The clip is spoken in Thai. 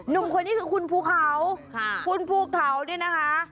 นื่องคนที่คุณภูเขาคูณภูเขาเนี่ยนะคะ